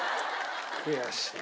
悔しい。